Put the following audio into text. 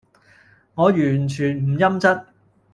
我完全唔陰質